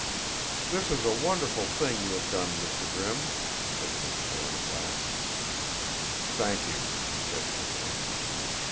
"This is a wonderful thing you have done, Mr. Grimm," said Miss Thorne at last. "Thank you," he said simply.